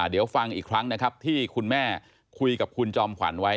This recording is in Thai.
เดี๋ยวฟังอีกครั้งนะครับที่คุณแม่คุยกับคุณจอมขวัญไว้